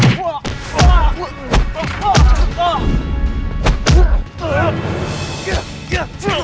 coba kita berangkat